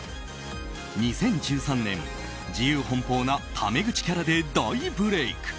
２０１３年、自由奔放なタメ口キャラで大ブレーク。